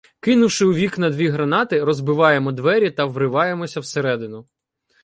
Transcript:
Кинувши у вікна дві гранати, розбиваємо двері та вриваємося всередину.